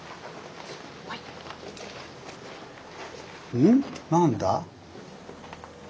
うん？何だ？